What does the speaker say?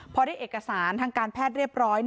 พอได้เอกสารทางการแพทย์เรียบร้อย